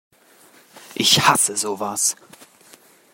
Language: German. Ich hasse sowas!